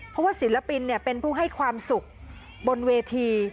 เพราะว่าศิลปินเป็นผู้ให้ความสุขบนเวที